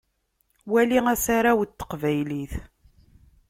Wali asaraw n teqbaylit.